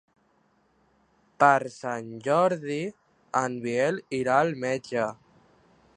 Per Sant Jordi en Biel irà al metge.